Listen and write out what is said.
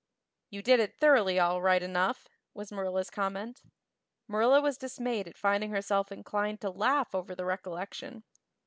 "You did it thoroughly, all right enough," was Marilla's comment. Marilla was dismayed at finding herself inclined to laugh over the recollection.